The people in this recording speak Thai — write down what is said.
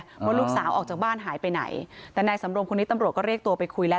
ว่าลูกสาวออกจากบ้านหายไปไหนแต่นายสำรวมคนนี้ตำรวจก็เรียกตัวไปคุยแล้ว